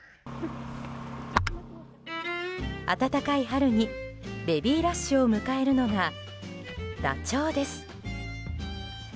暖かい春にベビーラッシュを迎えるのがダチョウです。